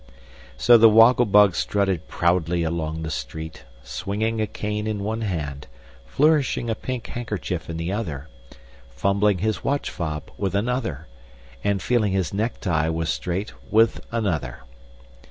So the Woggle Bug strutted proudly along the street, swinging a cane in one hand, flourishing a pink handkerchief in the other, fumbling his watch fob with another, and feeling his necktie was straight with another.